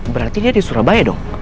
berarti dia di surabaya dong